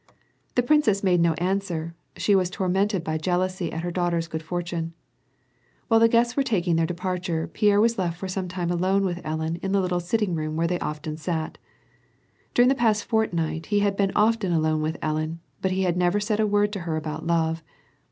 The princess made no answer ; she was tormented by jeal ousy at her daughter's good fortune. While the guests were taking their departure, Pierre was left for some time alone with Ellen in the little sitting room where they often sat. During the past fortnight, he had been often alone with Ellen, but he had never said a word to her ahottt love.